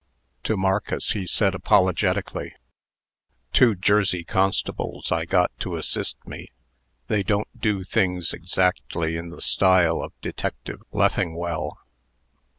To Marcus he said, apologetically: "Two Jersey constables I got to assist me. They don't do things exactly in the style of Detective Leffingwell."